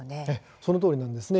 そのとおりです。